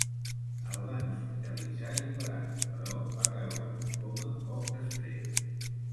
El van hospitalitzar i operar, però va caure en un coma poc després.